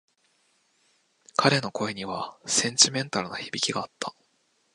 彼の声にはセンチメンタルな響きがあった。